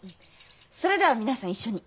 それでは皆さん一緒に。